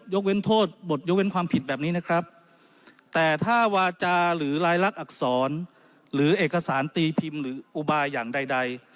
เว้นโทษบทยกเว้นความผิดแบบนี้นะครับแต่ถ้าวาจาหรือลายลักษณ์อักษรหรือเอกสารตีพิมพ์หรืออุบายอย่างใด